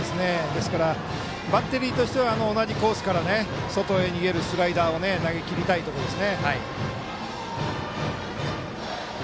ですから、バッテリーとしては同じコースから外へ逃げるスライダーを投げきりたいところです。